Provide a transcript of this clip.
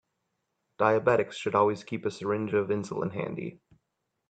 Diabetics should always keep a syringe of insulin handy.